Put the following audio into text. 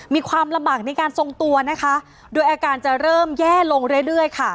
มีความลำบากในการทรงตัวนะคะโดยอาการจะเริ่มแย่ลงเรื่อยเรื่อยค่ะ